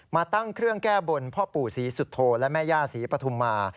มาตั้งเครื่องแก้บนพ่อปู่ศรีสุโธและแม่ย่าศรีปฐุมา